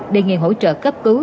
đề nghề hỗ trợ cấp cứu